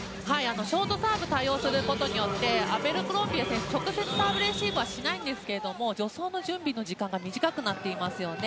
ショートサーブに対応することによってアベルクロンビエ選手直接、サーブレシーブはしないんですけど助走の準備の時間が短くなっていますよね。